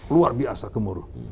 luar biasa gemuruh